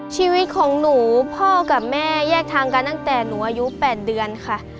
ชีวิตของหนูพ่อกับแม่แยกทางกันตั้งแต่หนูอายุ๘เดือนค่ะ